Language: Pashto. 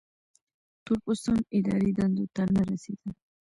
تور پوستان اداري دندو ته نه رسېدل.